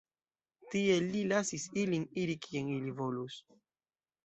Tie li lasis ilin iri kien ili volus.